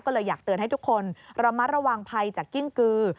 ก็เลยอยากเตือนให้ทุกคนระมัดระวังภัยจากกิ้งกือ